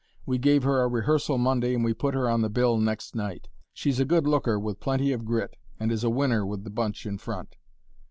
We gave her a rehearsal Monday and we put her on the bill next night. She's a good looker with plenty of grit, and is a winner with the bunch in front."